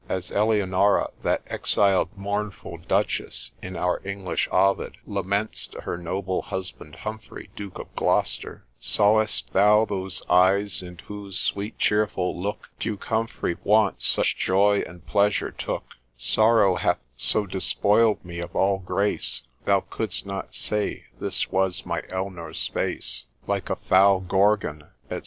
As Eleonara, that exiled mournful duchess (in our English Ovid), laments to her noble husband Humphrey, Duke of Gloucester, Sawest thou those eyes in whose sweet cheerful look Duke Humphrey once such joy and pleasure took, Sorrow hath so despoil'd me of all grace, Thou couldst not say this was my Elnor's face. Like a foul Gorgon, &c.